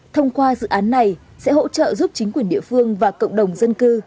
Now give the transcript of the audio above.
thông qua dự án này sẽ hỗ trợ giúp chính quyền địa phương và cộng đồng dân cư